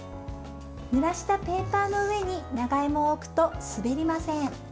ぬらしたペーパーの上に長芋を置くと滑りません。